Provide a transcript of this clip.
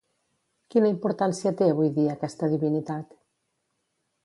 Quina importància té avui dia aquesta divinitat?